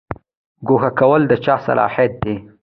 ګوښه کول د چا صلاحیت دی؟